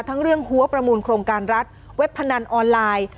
ทั้งเรื่องหัวประมูลโครงการรัฐเว็บพนันออนไลน์